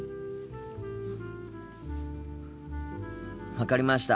分かりました。